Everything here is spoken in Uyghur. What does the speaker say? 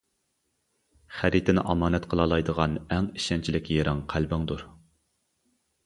خەرىتىنى ئامانەت قىلالايدىغان ئەڭ ئىشەنچلىك يېرىڭ قەلبىڭدۇر.